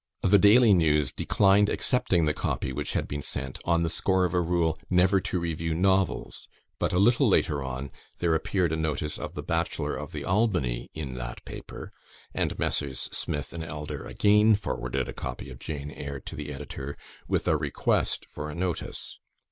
The Daily News declined accepting the copy which had been sent, on the score of a rule "never to review novels;" but a little later on, there appeared a notice of the Bachelor of the Albany in that paper; and Messrs. Smith and Elder again forwarded a copy of "Jane Eyre" to the Editor, with a request for a notice.